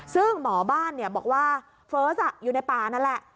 ซึ่งหมอบ้านบอกว่าเฟิร์สอยู่ในป่านั่นแหละ